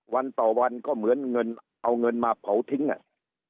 วันต่อวันก็เหมือนเงินเอาเงินมาเผาทิ้งอ่ะ